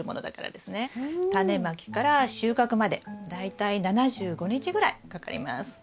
タネまきから収穫まで大体７５日ぐらいかかります。